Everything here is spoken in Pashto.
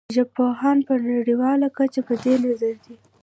ژبپوهان په نړیواله کچه په دې نظر دي